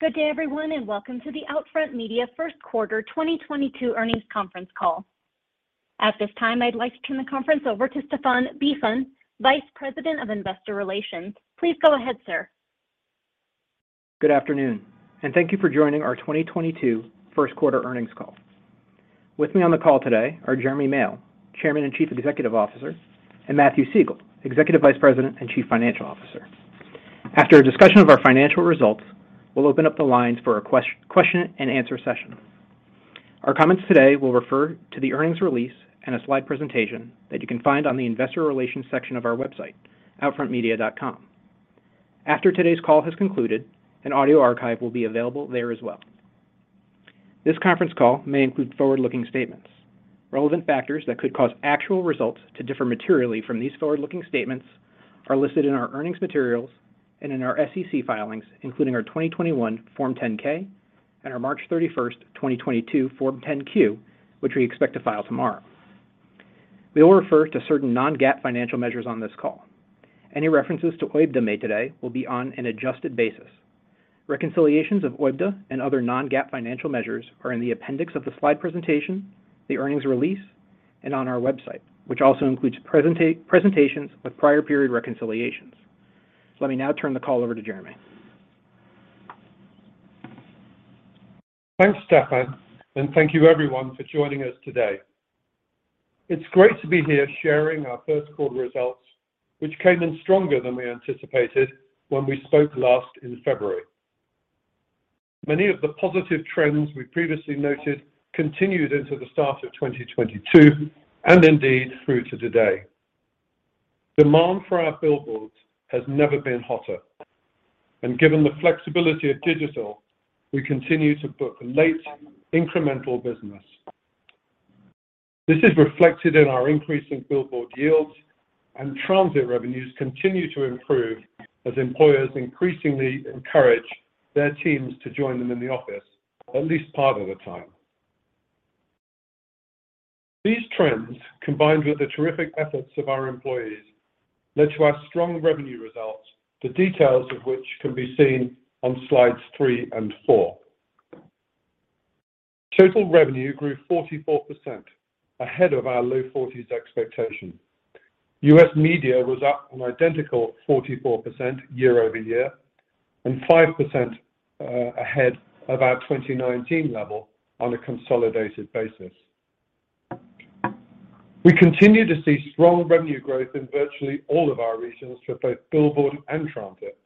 Good day everyone, and welcome to the OUTFRONT Media First Quarter 2022 Earnings Conference Call. At this time, I'd like to turn the conference over to Stephan Bisson, Vice President of Investor Relations. Please go ahead, sir. Good afternoon, and thank you for joining our 2022 first quarter earnings call. With me on the call today are Jeremy Male, Chairman and Chief Executive Officer, and Matthew Siegel, Executive Vice President and Chief Financial Officer. After a discussion of our financial results, we'll open up the lines for a question-and-answer session. Our comments today will refer to the earnings release and a slide presentation that you can find on the investor relations section of our website, outfrontmedia.com. After today's call has concluded, an audio archive will be available there as well. This conference call may include forward-looking statements. Relevant factors that could cause actual results to differ materially from these forward-looking statements are listed in our earnings materials and in our SEC filings, including our 2021 Form 10-K and our March 31, 2022 Form 10-Q, which we expect to file tomorrow. We will refer to certain non-GAAP financial measures on this call. Any references to OIBDA made today will be on an adjusted basis. Reconciliations of OIBDA and other non-GAAP financial measures are in the appendix of the slide presentation, the earnings release, and on our website, which also includes presentations with prior period reconciliations. Let me now turn the call over to Jeremy. Thanks, Stephan, and thank you everyone for joining us today. It's great to be here sharing our first quarter results, which came in stronger than we anticipated when we spoke last in February. Many of the positive trends we previously noted continued into the start of 2022 and indeed through to today. Demand for our billboards has never been hotter. Given the flexibility of digital, we continue to book late incremental business. This is reflected in our increase in billboard yields, and transit revenues continue to improve as employers increasingly encourage their teams to join them in the office at least part of the time. These trends, combined with the terrific efforts of our employees, led to our strong revenue results, the details of which can be seen on Slides three and four. Total revenue grew 44%, ahead of our low 40s% expectation. U.S. media was up an identical 44% year-over-year and 5% ahead of our 2019 level on a consolidated basis. We continue to see strong revenue growth in virtually all of our regions for both billboard and transit,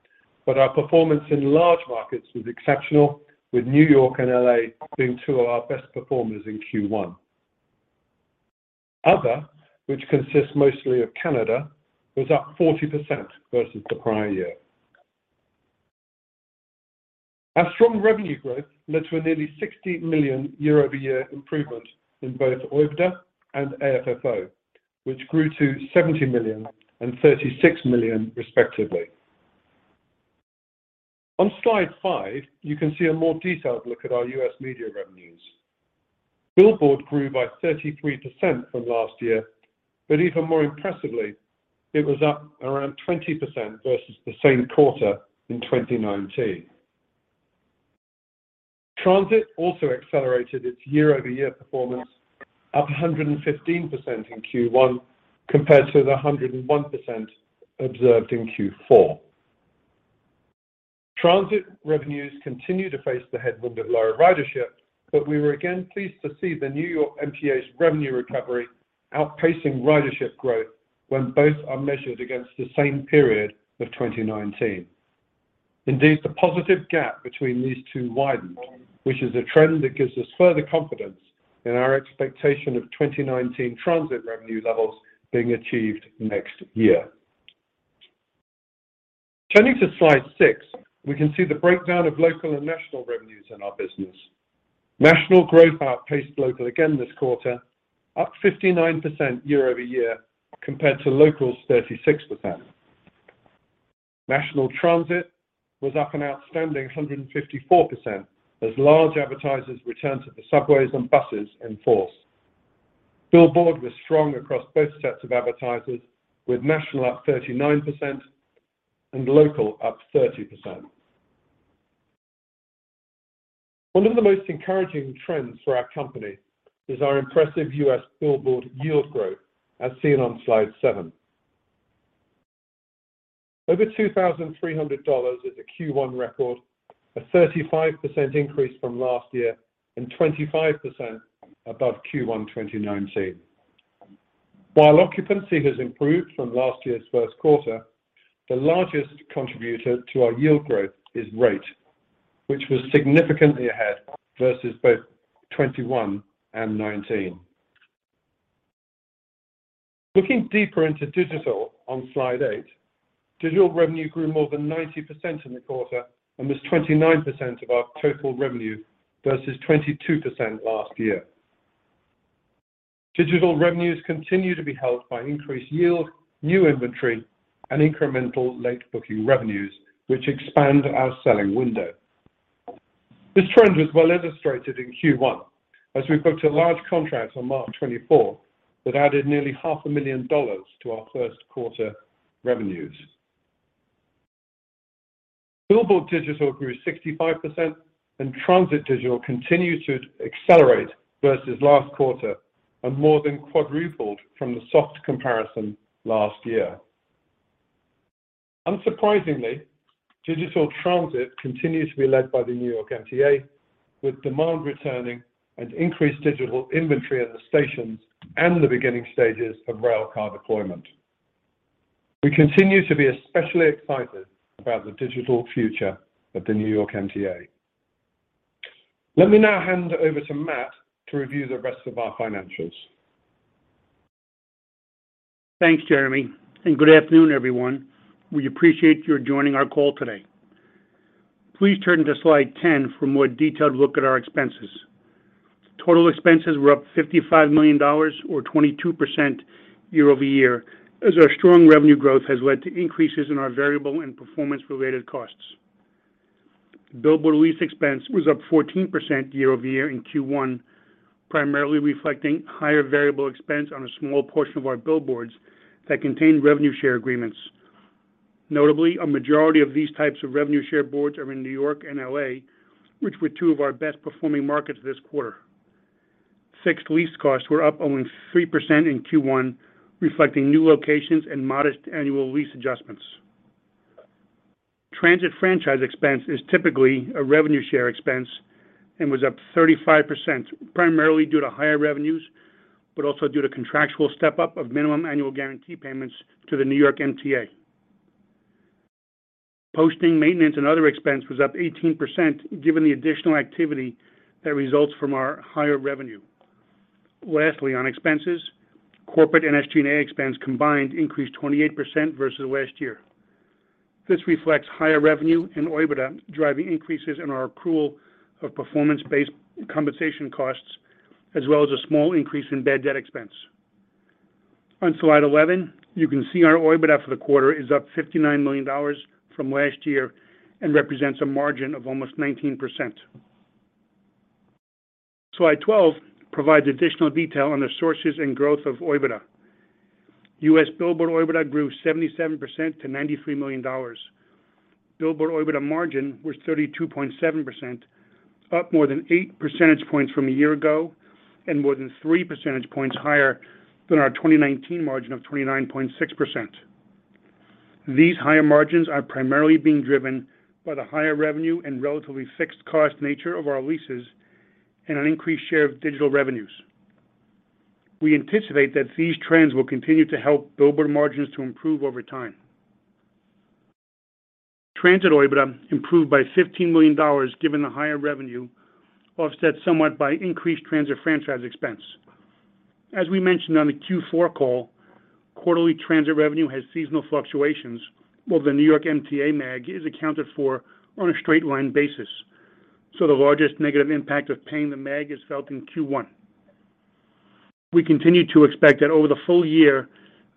but our performance in large markets was exceptional, with New York and L.A. being two of our best performers in Q1. Other, which consists mostly of Canada, was up 40% versus the prior year. Our strong revenue growth led to a nearly $60 million year-over-year improvement in both OIBDA and AFFO, which grew to $70 million and $36 million respectively. On Slide five, you can see a more detailed look at our U.S. media revenues. Billboard grew by 33% from last year, but even more impressively, it was up around 20% versus the same quarter in 2019. Transit also accelerated its year-over-year performance, up 115% in Q1 compared to the 101% observed in Q4. Transit revenues continue to face the headwind of lower ridership, but we were again pleased to see the New York MTA's revenue recovery outpacing ridership growth when both are measured against the same period of 2019. Indeed, the positive gap between these two widened, which is a trend that gives us further confidence in our expectation of 2019 transit revenue levels being achieved next year. Turning to Slide six, we can see the breakdown of local and national revenues in our business. National growth outpaced local again this quarter, up 59% year-over-year compared to local's 36%. National transit was up an outstanding 154% as large advertisers returned to the subways and buses in force. Billboard was strong across both sets of advertisers, with national up 39% and local up 30%. One of the most encouraging trends for our company is our impressive U.S. billboard yield growth as seen on Slide seven. Over $2,300 is a Q1 record, a 35% increase from last year and 25% above Q1 2019. While occupancy has improved from last year's first quarter, the largest contributor to our yield growth is rate, which was significantly ahead versus both 2021 and 2019. Looking deeper into digital on Slide eight, digital revenue grew more than 90% in the quarter and was 29% of our total revenue versus 22% last year. Digital revenues continue to be helped by increased yield, new inventory, and incremental late booking revenues which expand our selling window. This trend was well illustrated in Q1 as we booked a large contract on March 24 that added nearly half a million dollars to our first quarter revenues. Billboard digital grew 65%, and transit digital continued to accelerate versus last quarter and more than quadrupled from the soft comparison last year. Unsurprisingly, digital transit continues to be led by the New York MTA, with demand returning and increased digital inventory at the stations and the beginning stages of rail car deployment. We continue to be especially excited about the digital future of the New York MTA. Let me now hand over to Matt to review the rest of our financials. Thanks, Jeremy, and good afternoon, everyone. We appreciate your joining our call today. Please turn to Slide 10 for a more detailed look at our expenses. Total expenses were up $55 million or 22% year-over-year as our strong revenue growth has led to increases in our variable and performance-related costs. Billboard lease expense was up 14% year-over-year in Q1, primarily reflecting higher variable expense on a small portion of our billboards that contained revenue share agreements. Notably, a majority of these types of revenue share boards are in New York and L.A., which were two of our best performing markets this quarter. Fixed lease costs were up only 3% in Q1, reflecting new locations and modest annual lease adjustments. Transit franchise expense is typically a revenue share expense and was up 35%, primarily due to higher revenues, but also due to contractual step-up of minimum annual guarantee payments to the New York MTA. Posting maintenance and other expense was up 18% given the additional activity that results from our higher revenue. Lastly, on expenses, corporate and SG&A expense combined increased 28% versus last year. This reflects higher revenue and OIBDA, driving increases in our accrual of performance-based compensation costs, as well as a small increase in bad debt expense. On Slide 11, you can see our OIBDA for the quarter is up $59 million from last year and represents a margin of almost 19%. Slide 12 provides additional detail on the sources and growth of OIBDA. U.S. billboard OIBDA grew 77% to $93 million. Billboard OIBDA margin was 32.7%, up more than 8 percentage points from a year ago, and more than 3 percentage points higher than our 2019 margin of 29.6%. These higher margins are primarily being driven by the higher revenue and relatively fixed cost nature of our leases and an increased share of digital revenues. We anticipate that these trends will continue to help billboard margins to improve over time. Transit OIBDA improved by $15 million given the higher revenue, offset somewhat by increased transit franchise expense. As we mentioned on the Q4 call, quarterly transit revenue has seasonal fluctuations while the New York MTA MAG is accounted for on a straight line basis. The largest negative impact of paying the MAG is felt in Q1. We continue to expect that over the full year,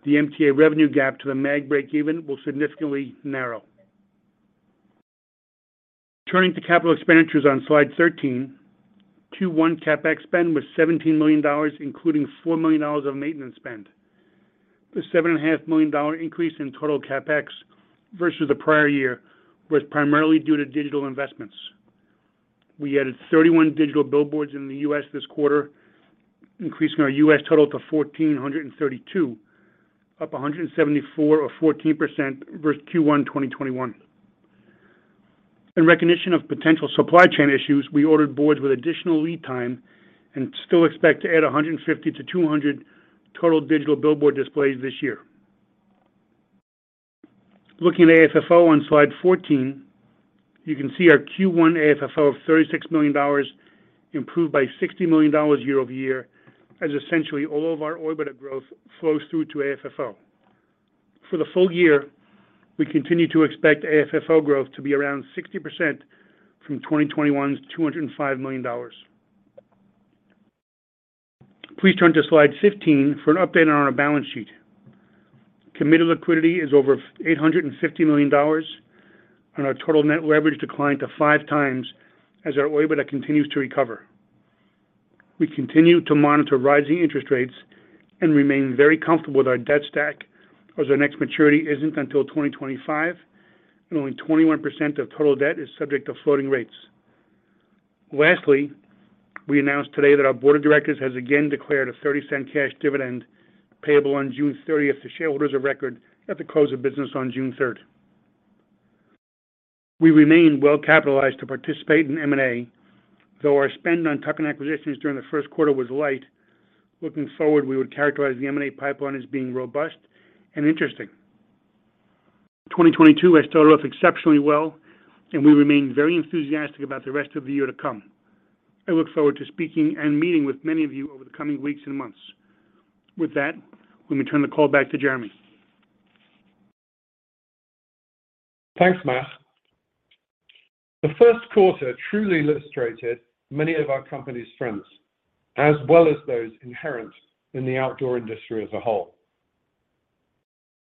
the MTA revenue gap to the MAG breakeven will significantly narrow. Turning to capital expenditures on Slide 13, Q1 CapEx spend was $17 million, including $4 million of maintenance spend. The $7.5 million increase in total CapEx versus the prior year was primarily due to digital investments. We added 31 digital billboards in the U.S. this quarter, increasing our U.S. total to 1,432, up 174 or 14% versus Q1 2021. In recognition of potential supply chain issues, we ordered boards with additional lead time and still expect to add 150-200 total digital billboard displays this year. Looking at AFFO on Slide 14, you can see our Q1 AFFO of $36 million improved by $60 million year-over-year as essentially all of our OIBDA growth flows through to AFFO. For the full year, we continue to expect AFFO growth to be around 60% from 2021's $205 million. Please turn to slide 15 for an update on our balance sheet. Committed liquidity is over $850 million, and our total net leverage declined to 5x as our OIBDA continues to recover. We continue to monitor rising interest rates and remain very comfortable with our debt stack as our next maturity isn't until 2025, and only 21% of total debt is subject to floating rates. Lastly, we announced today that our board of directors has again declared a $0.30 cash dividend payable on June thirtieth to shareholders of record at the close of business on June third. We remain well-capitalized to participate in M&A, though our spend on tuck-in acquisitions during the first quarter was light. Looking forward, we would characterize the M&A pipeline as being robust and interesting. 2022 has started off exceptionally well, and we remain very enthusiastic about the rest of the year to come. I look forward to speaking and meeting with many of you over the coming weeks and months. With that, let me turn the call back to Jeremy. Thanks, Matt. The first quarter truly illustrated many of our company's strengths, as well as those inherent in the outdoor industry as a whole.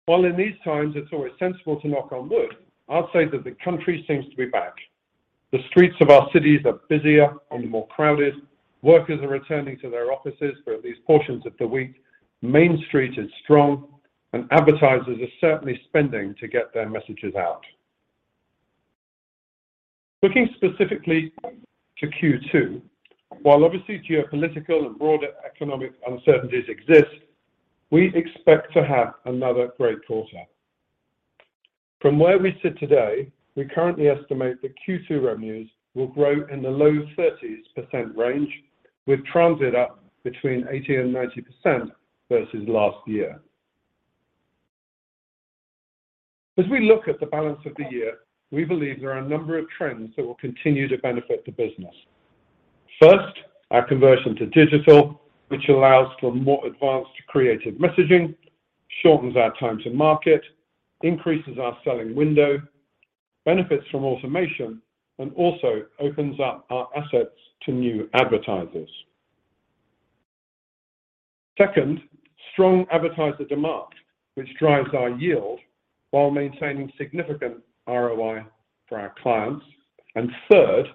While in these times it's always sensible to knock on wood, I'd say that the country seems to be back. The streets of our cities are busier and more crowded. Workers are returning to their offices for at least portions of the week. Main Street is strong, and advertisers are certainly spending to get their messages out. Looking specifically to Q2, while obviously geopolitical and broader economic uncertainties exist, we expect to have another great quarter. From where we sit today, we currently estimate that Q2 revenues will grow in the low 30s% range, with transit up between 80% and 90% versus last year. As we look at the balance of the year, we believe there are a number of trends that will continue to benefit the business. First, our conversion to digital, which allows for more advanced creative messaging, shortens our time to market, increases our selling window, benefits from automation, and also opens up our assets to new advertisers. Second, strong advertiser demand, which drives our yield while maintaining significant ROI for our clients. Third,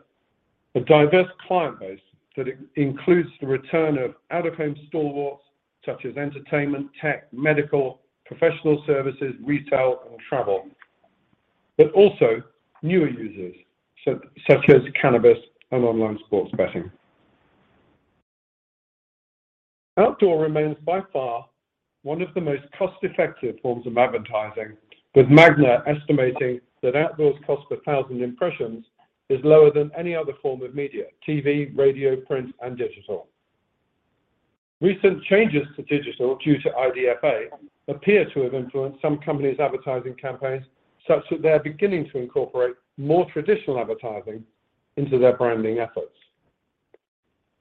a diverse client base that includes the return of out-of-home stalwarts such as entertainment, tech, medical, professional services, retail and travel, but also newer users such as cannabis and online sports betting. Outdoor remains by far one of the most cost-effective forms of advertising, with Magna estimating that outdoor's cost per thousand impressions is lower than any other form of media, TV, radio, print and digital. Recent changes to digital due to IDFA appear to have influenced some companies' advertising campaigns, such that they are beginning to incorporate more traditional advertising into their branding efforts.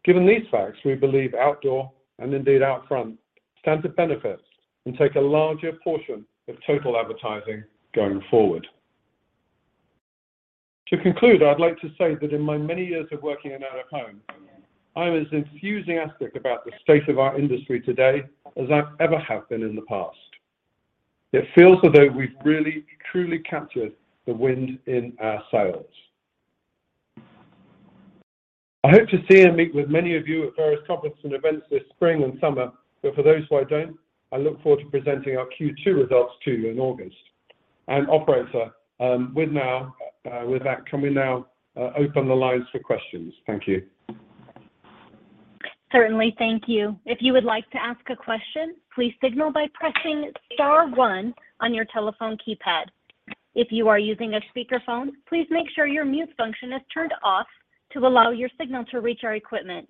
Given these facts, we believe outdoor, and indeed OUTFRONT, stand to benefit and take a larger portion of total advertising going forward. To conclude, I'd like to say that in my many years of working in out-of-home, I'm as enthusiastic about the state of our industry today as I ever have been in the past. It feels as though we've really, truly captured the wind in our sails. I hope to see and meet with many of you at various conferences and events this spring and summer, but for those who I don't, I look forward to presenting our Q2 results to you in August. Operator, with that, can we now open the lines for questions? Thank you. Certainly. Thank you. If you would like to ask a question, please signal by pressing star one on your telephone keypad. If you are using a speakerphone, please make sure your mute function is turned off to allow your signal to reach our equipment.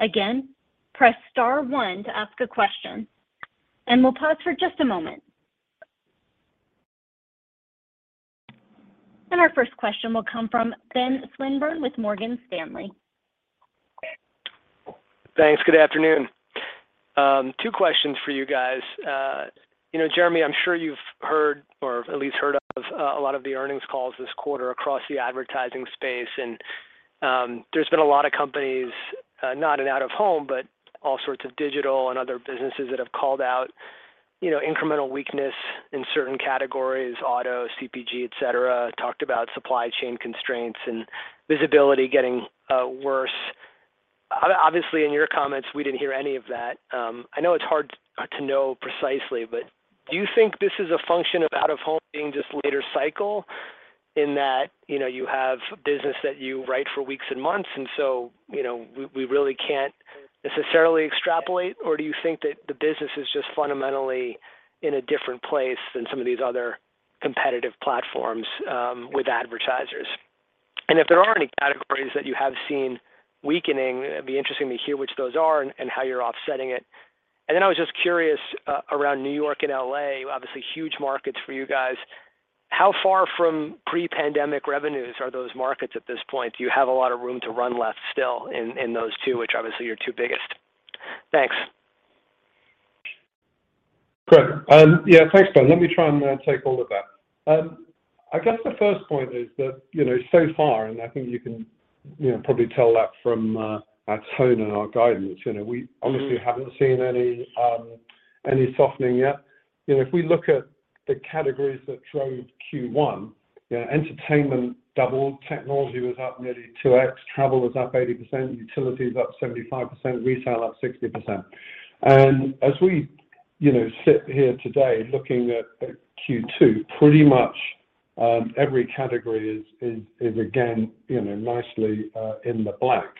Again, press star one to ask a question, and we'll pause for just a moment. Our first question will come from Ben Swinburne with Morgan Stanley. Thanks. Good afternoon. Two questions for you guys. You know, Jeremy, I'm sure you've heard or at least heard of a lot of the earnings calls this quarter across the advertising space. There's been a lot of companies, not in out-of-home, but all sorts of digital and other businesses that have called out, you know, incremental weakness in certain categories, auto, CPG, et cetera, talked about supply chain constraints and visibility getting worse. Obviously, in your comments, we didn't hear any of that. I know it's hard to know precisely, but do you think this is a function of out-of-home being just later cycle in that, you know, you have business that you write for weeks and months, and so, you know, we really can't necessarily extrapolate? Do you think that the business is just fundamentally in a different place than some of these other competitive platforms with advertisers? If there are any categories that you have seen weakening, it'd be interesting to hear which those are and how you're offsetting it. Then I was just curious around New York and L.A., obviously huge markets for you guys. How far from pre-pandemic revenues are those markets at this point? Do you have a lot of room to run left still in those two, which obviously are your two biggest? Thanks. Great. Thanks, Ben. Let me try and take all of that. I guess the first point is that, you know, so far, and I think you can, you know, probably tell that from our tone and our guidance, you know, we obviously haven't seen any any softening yet. You know, if we look at the categories that drove Q1, you know, entertainment doubled. Technology was up nearly 2x. Travel was up 80%. Utilities up 75%. Retail up 60%. As we, you know, sit here today looking at Q2, pretty much every category is again, you know, nicely in the black.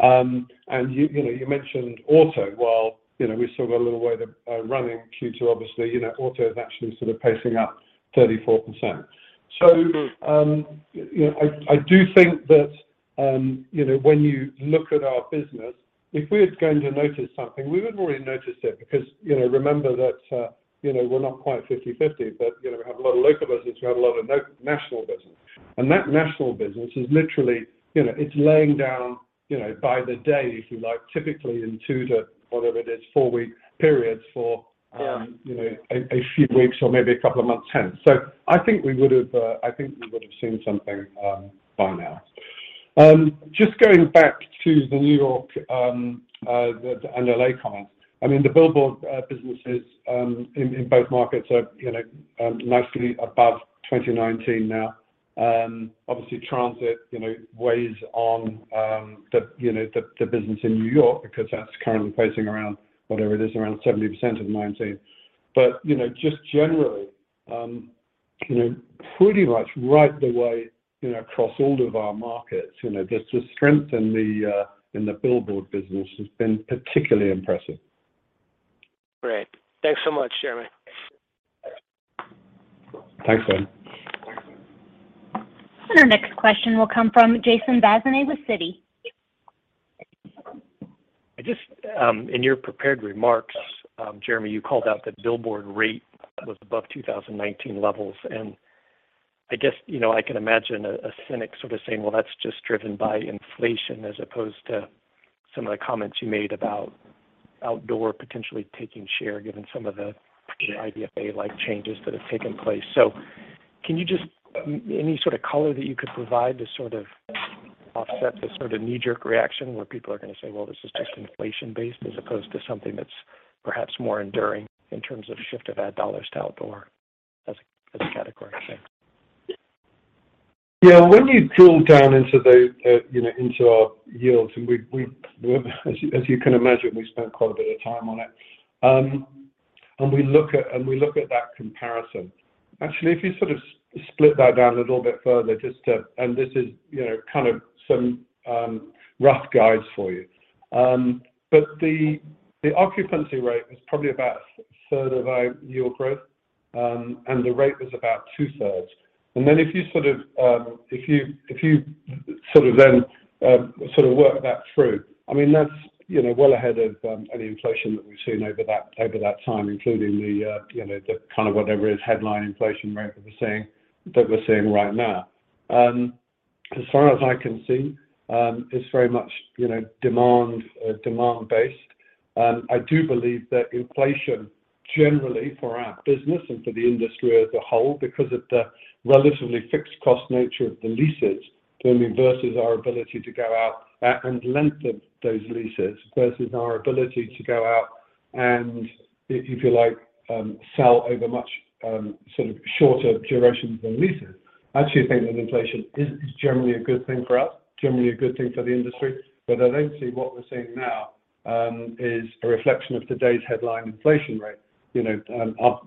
You know, you mentioned auto. While, you know, we've still got a little way to run in Q2, obviously, you know, auto is actually sort of pacing up 34%. You know, I do think that, you know, when you look at our business, if we were going to notice something, we would have already noticed it because, you know, remember that, you know, we're not quite fifty-fifty, but, you know, we have a lot of local business. We have a lot of national business. And that national business is literally, you know, it's laying down, you know, by the day, if you like, typically in 2- to 4-week periods for, you know, a few weeks or maybe a couple of months hence. I think we would have seen something by now. Just going back to the New York and LA question. I mean, the billboard businesses in both markets are, you know, nicely above 2019 now. Obviously transit, you know, weighs on the business in New York because that's currently pacing around whatever it is, around 70% of 2019. You know, just generally, you know, pretty much right the way, you know, across all of our markets, you know, just the strength in the billboard business has been particularly impressive. Great. Thanks so much, Jeremy. Thanks, Ben. Our next question will come from Jason Bazinet with Citi. I just in your prepared remarks, Jeremy, you called out that billboard rate was above 2019 levels. I guess, you know, I can imagine a cynic sort of saying, "Well, that's just driven by inflation," as opposed to some of the comments you made about outdoor potentially taking share given some of the IDFA-like changes that have taken place. Can you any sort of color that you could provide to sort of offset the sort of knee-jerk reaction where people are gonna say, "Well, this is just inflation based as opposed to something that's perhaps more enduring in terms of shift of ad dollars to outdoor as a category?" Thanks. Yeah. When you drill down into the, you know, into our yields. As you can imagine, we spent quite a bit of time on it. We look at that comparison. Actually, if you sort of split that down a little bit further just to. This is, you know, kind of some rough guides for you. But the occupancy rate is probably about a third of our year growth, and the rate was about two-thirds. If you sort of work that through, I mean that's, you know, well ahead of any inflation that we've seen over that time, including the, you know, the kind of whatever is headline inflation rate that we're seeing right now. As far as I can see, it's very much, you know, demand based. I do believe that inflation generally for our business and for the industry as a whole because of the relatively fixed cost nature of the leases then leverages our ability to go out and lengthen those leases versus our ability to go out and if you like, sell over much shorter durations than leases. I actually think that inflation is generally a good thing for us, generally a good thing for the industry. I don't see what we're seeing now is a reflection of today's headline inflation rate. You know,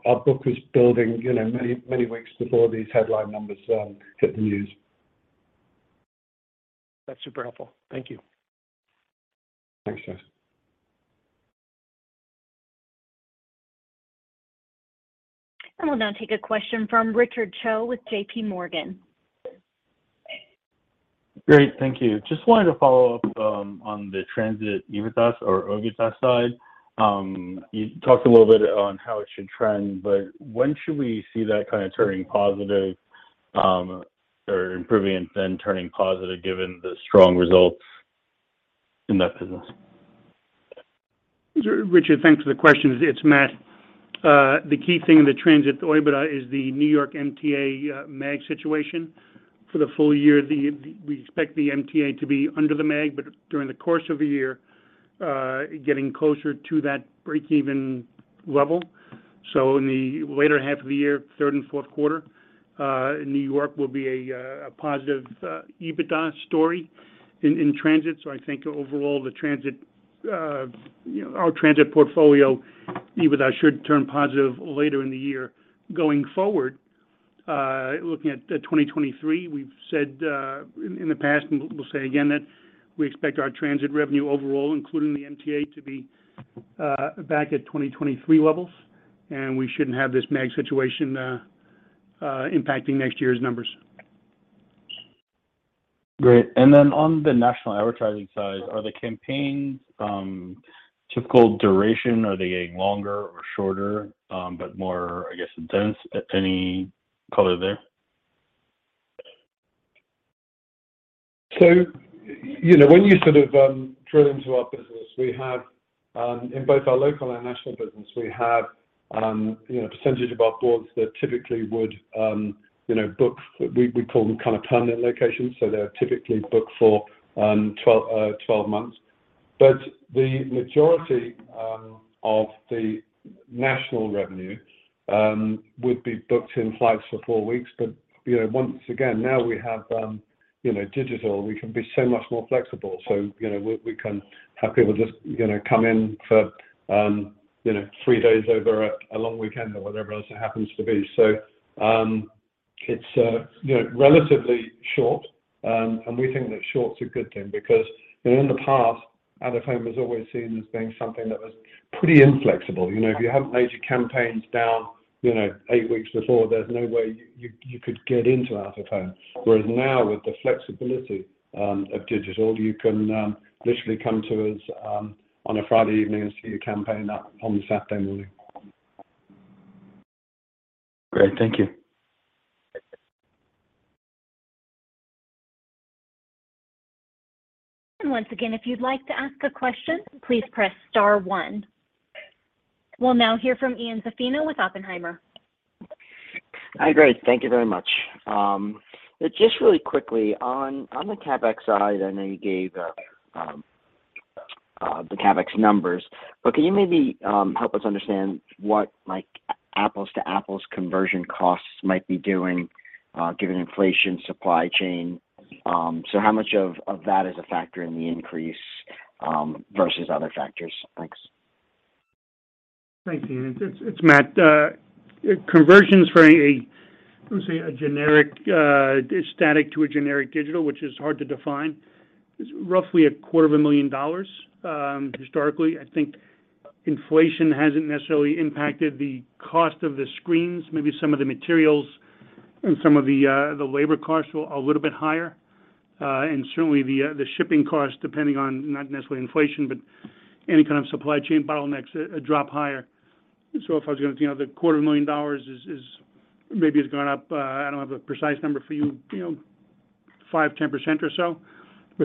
our book is building, you know, many weeks before these headline numbers hit the news. That's super helpful. Thank you. Thanks, Jason. We'll now take a question from Richard Choe with JPMorgan. Great. Thank you. Just wanted to follow up on the transit EBITDA or OIBDA side. You talked a little bit on how it should trend, but when should we see that kind of turning positive, or improving and then turning positive given the strong results in that business? Richard, thanks for the question. It's Matt. The key thing in the transit to EBITDA is the New York MTA MAG situation. For the full year, we expect the MTA to be under the MAG, but during the course of the year, getting closer to that breakeven level. In the later half of the year, third and fourth quarter, New York will be a positive EBITDA story in transit. I think overall the transit, you know, our transit portfolio EBITDA should turn positive later in the year. Going forward, looking at 2023, we've said in the past and we'll say again that we expect our transit revenue overall, including the MTA, to be back at 2023 levels, and we shouldn't have this MAG situation impacting next year's numbers. Great. On the national advertising side, are the campaigns, typical duration, are they getting longer or shorter, but more, I guess, intense? Any color there? You know, when you sort of drill into our business, we have in both our local and national business, we have you know, percentage of our boards that typically would book, we call them kind of permanent locations, so they're typically booked for 12 months. The majority of the national revenue would be booked in flights for 4 weeks. You know, once again, now we have digital, we can be so much more flexible. You know, we can have people just come in for 3 days over a long weekend or whatever else it happens to be. It's you know, relatively short, and we think that short's a good thing because, you know, in the past, out-of-home was always seen as being something that was pretty inflexible. You know, if you haven't laid your campaigns down, you know, eight weeks before, there's no way you could get into out-of-home. Whereas now with the flexibility of digital, you can literally come to us on a Friday evening and see your campaign up on the Saturday morning. Great. Thank you. Once again, if you'd like to ask a question, please press star one. We'll now hear from Ian Zaffino with Oppenheimer. I agree. Thank you very much. Just really quickly on the CapEx side, I know you gave the CapEx numbers, but can you maybe help us understand what, like, apples to apples conversion costs might be doing, given inflation supply chain? How much of that is a factor in the increase versus other factors? Thanks. Thanks, Ian. It's Matt. Conversions for a generic static to a generic digital, which is hard to define, is roughly a quarter of a million dollars historically. I think inflation hasn't necessarily impacted the cost of the screens. Maybe some of the materials and some of the labor costs were a little bit higher. Certainly the shipping costs, depending on not necessarily inflation, but any kind of supply chain bottlenecks, a lot higher. If I was gonna you know, the quarter million dollars is maybe it's gone up. I don't have a precise number for you know, five, 10% or so.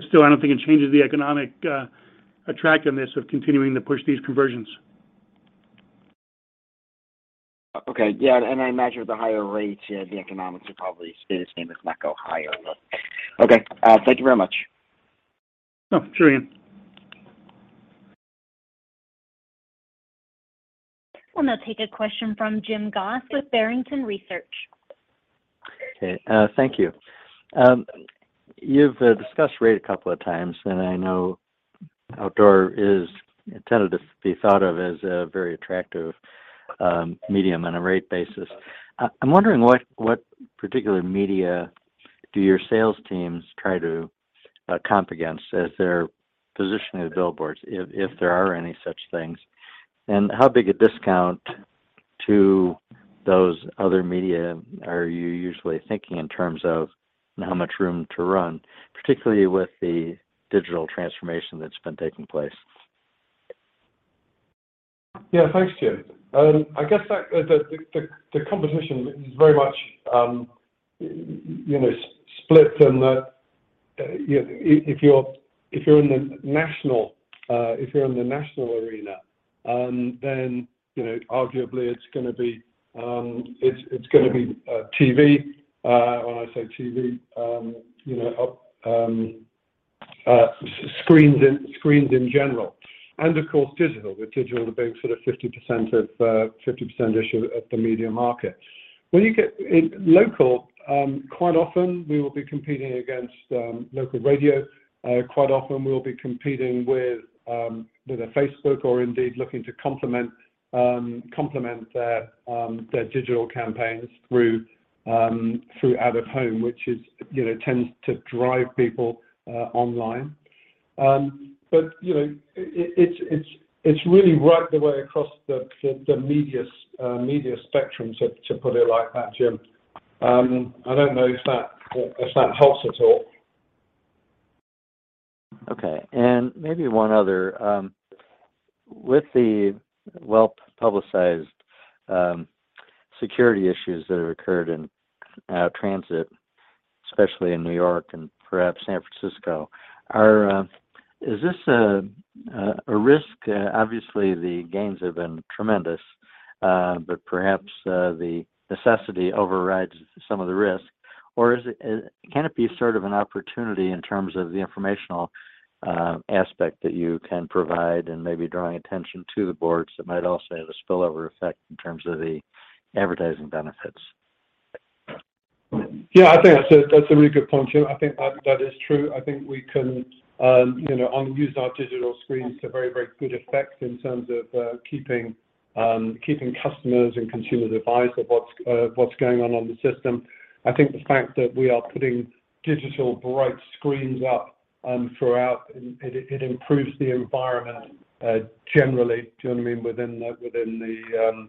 Still, I don't think it changes the economic attractiveness of continuing to push these conversions. Okay. Yeah, I imagine the higher rates, yeah, the economics are probably staying the same if not go higher, but okay. Thank you very much. Oh, sure, Ian. We'll now take a question from James Goss with Barrington Research. Okay. Thank you. You've discussed rate a couple of times, and I know outdoor is tended to be thought of as a very attractive medium on a rate basis. I'm wondering what particular media do your sales teams try to comp against as they're positioning the billboards if there are any such things? And how big a discount to those other media are you usually thinking in terms of how much room to run, particularly with the digital transformation that's been taking place? Yeah. Thanks, Jim. I guess that the competition is very much, you know, split in that, you know, if you're in the national arena, then, you know, arguably it's gonna be TV. When I say TV, you know, screens in general, and of course, digital. With digital being sort of 50%-ish of the media market. When you get into local, quite often we will be competing against local radio. Quite often we'll be competing with Facebook or indeed looking to complement their digital campaigns through out-of-home, which, you know, tends to drive people online. You know, it's really right the way across the media spectrum, to put it like that, Jim. I don't know if that helps at all. Okay. Maybe one other. With the well-publicized security issues that have occurred in transit, especially in New York and perhaps San Francisco, is this a risk? Obviously the gains have been tremendous, but perhaps the necessity overrides some of the risk. Or can it be sort of an opportunity in terms of the informational aspect that you can provide and maybe drawing attention to the boards that might also have a spillover effect in terms of the advertising benefits? Yeah, I think that's a really good point, Jim. I think that is true. I think we can, you know, use our digital screens to very good effect in terms of keeping customers and consumers advised of what's going on on the system. I think the fact that we are putting digital bright screens up throughout it improves the environment generally. Do you know what I mean?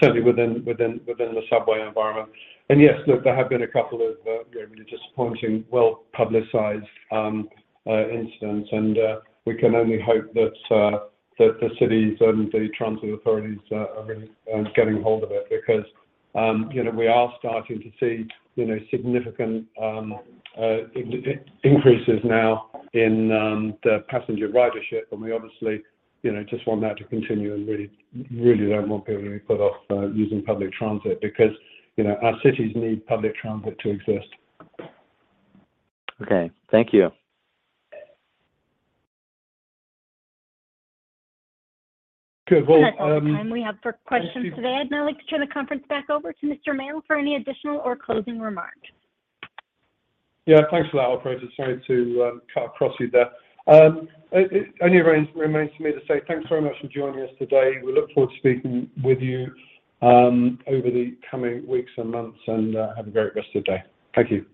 Certainly within the subway environment. Yes, look, there have been a couple of really disappointing, well-publicized incidents. We can only hope that the cities and the transit authorities are really getting a hold of it because, you know, we are starting to see, you know, significant increases now in the passenger ridership. We obviously, you know, just want that to continue and really don't want people to be put off using public transit because, you know, our cities need public transit to exist. Okay. Thank you. Okay. Well That's all the time we have for questions today. I'd now like to turn the conference back over to Jeremy Male for any additional or closing remarks. Yeah. Thanks for that, operator. Sorry to cut across you there. Only remains for me to say thanks very much for joining us today. We look forward to speaking with you over the coming weeks and months. Have a great rest of your day. Thank you.